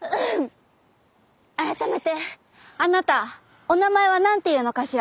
改めてあなたお名前は何ていうのかしら？